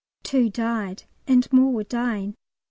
Two died, and more were dying.